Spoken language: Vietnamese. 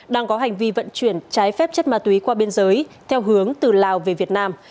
đang có hành vi vận chuyển trái phép chất ma túy qua biên giới theo hướng từ lào về việt nam